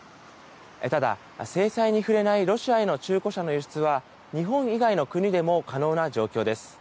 ただ、制裁に触れないロシアへの中古車の輸出は日本以外の国でも可能な状況です。